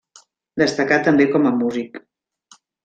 Destacà també com a músic.